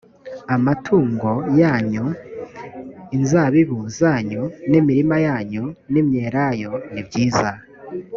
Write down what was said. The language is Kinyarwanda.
amatungo yanyu inzabibu zanyu n imirima yanyu y imyelayo ni ibyiza